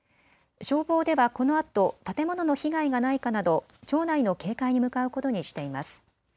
消防ではこのあと建物の被害がないかなど町内の警戒に向かうことにしています。